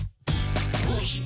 「どうして？